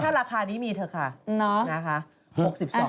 ถ้าราคานี้มีเถอะค่ะนะคะ